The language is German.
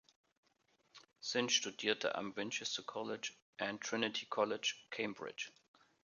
Synge studierte am Winchester College and Trinity College, Cambridge.